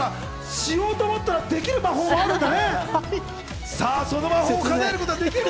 しようと思ったらできる魔法もあるんだね。